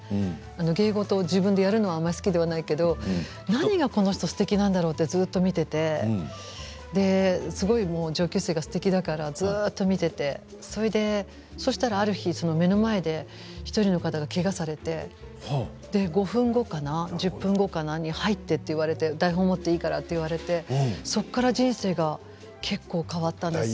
芸事を自分でやるのはあまり好きではないけれど何がこの人すてきなんだろうとずっと見ていて上級生がすてきだからずっと見ていて、そしたらある日、目の前で１人の方がけがをされて５分後かな、１０分後かに入ってって言われて台本を持っていいからと言われてそこから人生が変わったんです。